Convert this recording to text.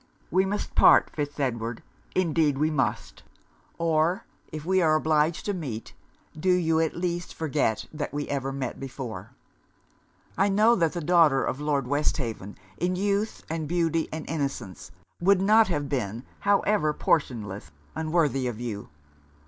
'We must part, Fitz Edward! Indeed we must! Or if we are obliged to meet, do you at least forget that we ever met before. 'I know that the daughter of Lord Westhaven, in youth, beauty, and innocence, would not have been, however portionless, unworthy of you.